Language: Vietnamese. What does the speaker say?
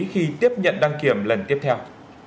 khi tiếp nhận đăng kiểm lần tiếp theo